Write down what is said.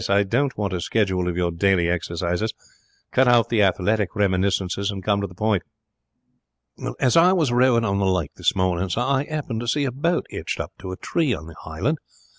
I don't want a schedule of your daily exercises. Cut out the athletic reminiscences and come to the point.' 'As I was rowing on the lake this morning, sir, I 'appened to see a boat 'itched up to a tree on the hisland.